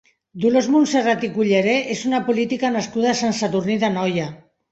Dolors Montserrat i Culleré és una política nascuda a Sant Sadurní d'Anoia.